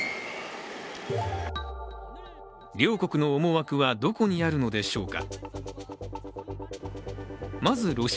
両国の思惑はどこにあるのでしょうか。